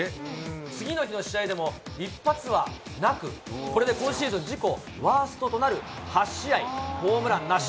次の日の試合でも一発はなく、これで今シーズン自己ワーストとなる８試合ホームランなし。